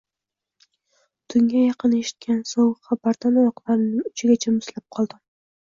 Tunga yaqin eshitgan sovuq xabardan oyoqlarimning uchigacha muzlab qoldim